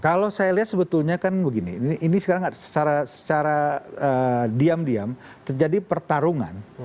kalau saya lihat sebetulnya kan begini ini sekarang secara diam diam terjadi pertarungan